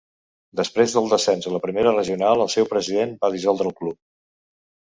Després del descens a la Primera Regional, el seu president va dissoldre el club.